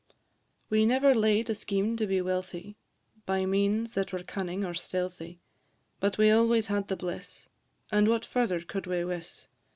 We never laid a scheme to be wealthy, By means that were cunning or stealthy; But we always had the bliss And what further could we wiss?